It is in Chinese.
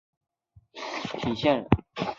清松江府华亭县人。